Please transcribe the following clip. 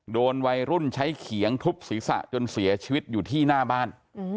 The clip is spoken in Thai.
โดนวัยรุ่นใช้เขียงทุบศีรษะจนเสียชีวิตอยู่ที่หน้าบ้าน